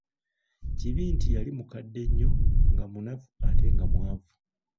Ekibi nti yali mukadde nnyo, nga munafu ate nga mwavu.